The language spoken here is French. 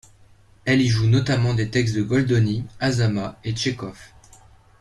Elle y joue notamment des textes de Goldoni, Azama et Tchekhov.